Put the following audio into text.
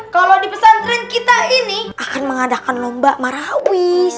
kalau di pesantren kita ini akan mengadakan lomba marawi